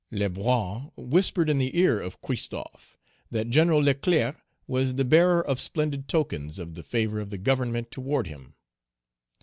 Lebrun whispered in the ear of Christophe, that General Leclerc was the bearer of splendid tokens of the favor of the Government toward him.